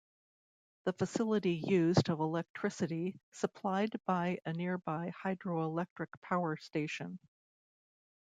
The facility used of electricity, supplied by a nearby hydroelectric power station.